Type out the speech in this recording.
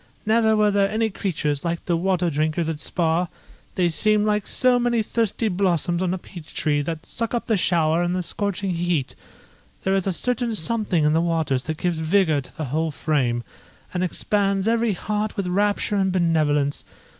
Never were there any creatures like the water drinkers at spa; they seem like so many thirsty blossoms on a peach tree, that suck up the shower in the scorching heat. There is a certain something in the waters that gives vigour to the whole frame, and expands every heart with rapture and benevolence.